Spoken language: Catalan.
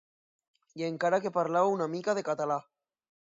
I encara que parlava una mica de català.